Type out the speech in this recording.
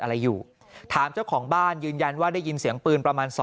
อะไรอยู่ถามเจ้าของบ้านยืนยันว่าได้ยินเสียงปืนประมาณ